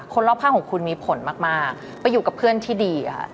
รอบข้างของคุณมีผลมากไปอยู่กับเพื่อนที่ดีค่ะ